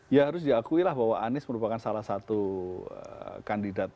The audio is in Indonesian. ya harus diakuilah bahwa anies merupakan salah satu kandidat